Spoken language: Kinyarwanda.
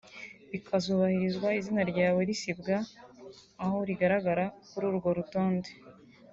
bikazubahirizwa izina ryawe risibwa aho rigaragara kuri urwo rutonde